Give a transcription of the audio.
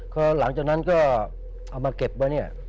พอหลังจากนั้นก็เอามาเก็บไว้เนี่ย